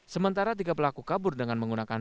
sementara tiga pelaku kabur dengan menggunakan